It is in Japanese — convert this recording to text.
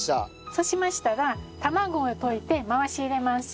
そうしましたら卵を溶いて回し入れます。